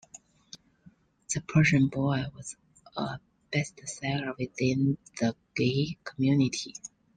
"The Persian Boy" was a bestseller within the gay community.